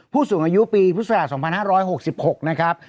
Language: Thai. ผู้สูงอายุปีพุทธศาส๒๕๖๖นะครับ